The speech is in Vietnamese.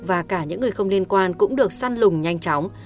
và cả những người không liên quan cũng được săn lùng nhanh chóng